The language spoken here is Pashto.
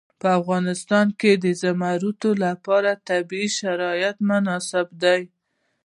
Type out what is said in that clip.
په افغانستان کې د زمرد لپاره طبیعي شرایط مناسب دي.